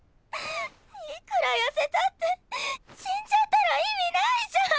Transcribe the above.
いくらやせたって死んじゃったら意味ないじゃん！